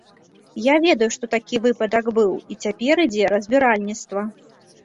Я ведаю, што такі выпадак быў, і цяпер ідзе разбіральніцтва.